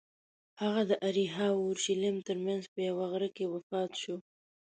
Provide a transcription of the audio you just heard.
هغه د اریحا او اورشلیم ترمنځ په یوه غره کې وفات شو.